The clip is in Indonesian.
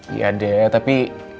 iya deh tapi